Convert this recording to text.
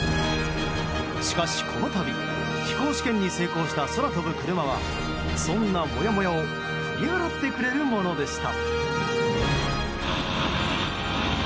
しかし、この度飛行試験に成功した空飛ぶ車はそんなもやもやを振り払ってくれるものでした。